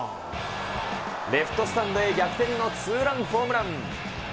レフトスタンドへ逆転のツーランホームラン。